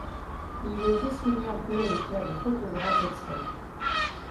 Il est destiné en priorité à des photographes experts.